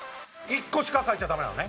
１個しか書いちゃダメなのね？